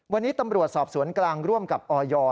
วันนี้ตำรวจสอบสวนกลางร่วมกับออย